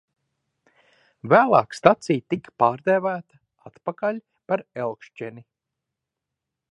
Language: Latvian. Vēlāk stacija tika pārdēvēta atpakaļ par Elkšķeni.